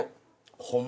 ホンマ！